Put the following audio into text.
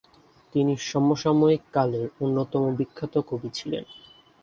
তিনি সমসাময়িক কালের অন্যতম বিখ্যাত কবি ছিলেন।